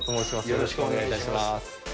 よろしくお願いします。